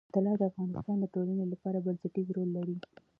طلا د افغانستان د ټولنې لپاره بنسټيز رول لري.